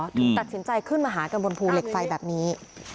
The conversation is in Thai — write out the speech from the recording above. ตัดสินใจขึ้นมาหากันบนภูเหล็กไฟแบบนี้